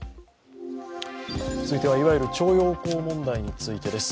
続いてはいわゆる徴用工問題についてです。